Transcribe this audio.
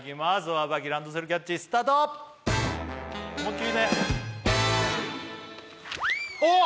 上履きランドセルキャッチスタート思いっきりねあっ！